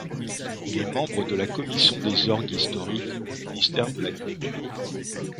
Il est membre de la Commission des orgues historiques au ministère de la Culture.